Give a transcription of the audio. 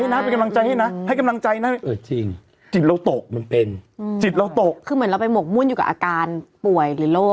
นะเป็นกำลังใจให้นะให้กำลังใจนะเออจริงจิตเราตกมันเป็นจิตเราตกคือเหมือนเราไปหกมุ่นอยู่กับอาการป่วยหรือโรค